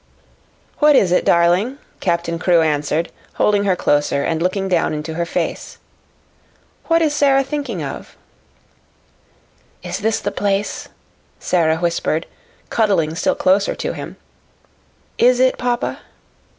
"What is it, darling?" Captain Crewe answered, holding her closer and looking down into her face. "What is Sara thinking of?" "Is this the place?" Sara whispered, cuddling still closer to him. "Is it, papa?"